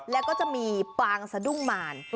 แล้วก็จะมีปางสะดุ้งมาร